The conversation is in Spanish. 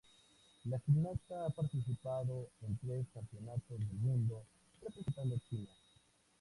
La gimnasta ha participado en tres campeonatos del Mundo representando China.